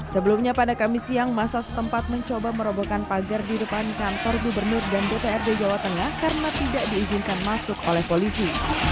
sebelumnya pada kamis siang masa setempat mencoba merobohkan pagar di depan kantor gubernur dan dprd jawa tengah karena tidak diizinkan masuk oleh polisi